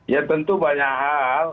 ya tentu banyak hal